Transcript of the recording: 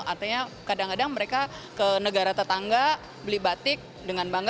artinya kadang kadang mereka ke negara tetangga beli batik dengan bangga